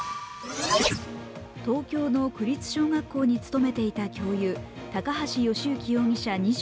東京の区立小学校に勤めていた教諭、高橋慶行容疑者